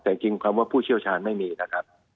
แต่จริงคำว่าผู้เชี่ยวชาญไม่มีนะครับ